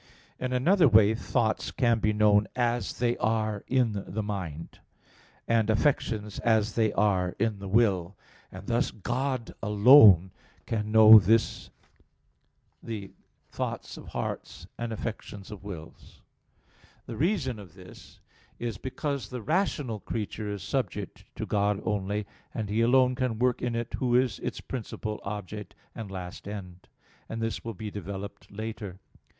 In another way thoughts can be known as they are in the mind, and affections as they are in the will: and thus God alone can know the thoughts of hearts and affections of wills. The reason of this is, because the rational creature is subject to God only, and He alone can work in it Who is its principal object and last end: this will be developed later (Q.